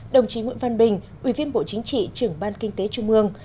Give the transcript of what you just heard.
đồng chí nguyễn văn bình ủy viên bộ chính trị trưởng ban kinh tế trung ương